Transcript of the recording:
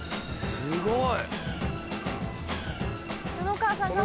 すごい！